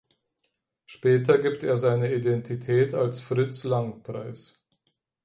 Später gibt er seine Identität als Fritz Lang preis.